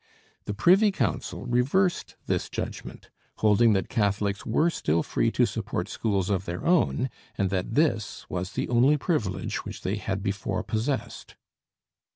The Privy Council reversed this judgment, holding that Catholics were still free to support schools of their own, and that this was the only privilege which they had before possessed.